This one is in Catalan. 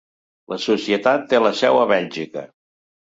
La societat té la seu a Bèlgica.